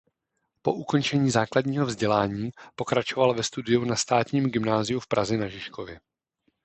Po ukončení základního vzdělání pokračoval ve studiu na státním gymnáziu v Praze na Žižkově.